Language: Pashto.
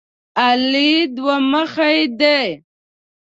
علي دوه مخی دی.